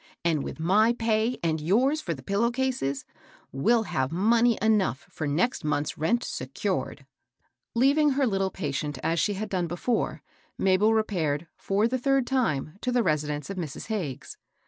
And with my pay and yours for the pillow cases, we'll have money enough for next month's rent secured." THE LADY PRESIDENT. 353 Leaving her little patient as she had done before, Mabel repaired, for the third time, to the residence of Mrs. Hagges.